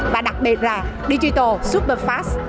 và đặc biệt là digital super fast